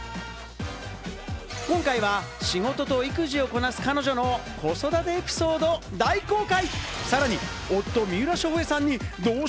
今回は仕事と育児をこなす彼女の子育てエピソード、大公開。